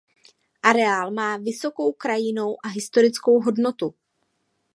Areál má vysokou krajinnou a historickou hodnotu.